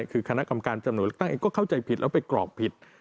คือคณะกรรมการจำนวนเลือกตั้งเองก็เข้าใจผิดแล้วไปกรอกผิด